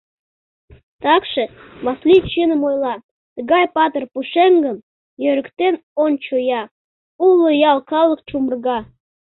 Такше, Васлий чыным ойла, тыгай патыр пушеҥгым йӧрыктен ончо-я, уло ял калык чумырга.